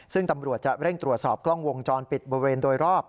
ซึ่งตำรวจจะเร่งตรวจสอบกล้องวงจรปิดบริเวณโดยรอบ